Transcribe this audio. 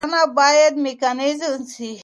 کرنه بايد ميکانيزه سي.